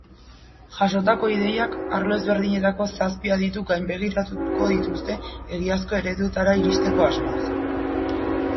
Jasotako ideiak arlo ezberdinetako zazpi adituk gainbegiratuko dituzte egiazko ereduetara iristeko asmoz.